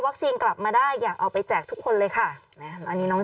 กลับมาได้อยากเอาไปแจกทุกคนเลยค่ะนะอันนี้น้อง